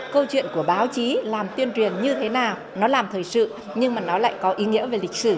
câu chuyện của báo chí làm tuyên truyền như thế nào nó làm thời sự nhưng mà nó lại có ý nghĩa về lịch sử